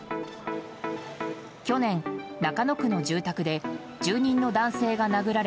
去年、中野区の住宅で住人の男性が殴られ